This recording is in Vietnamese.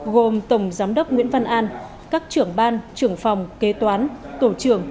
gồm tổng giám đốc nguyễn văn an các trưởng ban trưởng phòng kế toán tổ trưởng